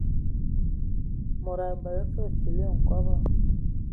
Mod abələ fəg fili nkɔbɔ.